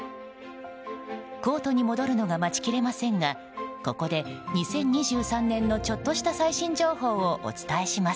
コートに戻るのが待ちきれませんがここで２０２３年のちょっとした最新情報をお伝えします。